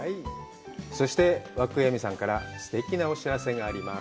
そして和久井映見さんからすてきなお知らせがあります。